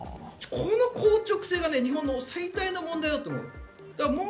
この硬直性が日本の最大の課題だと思います。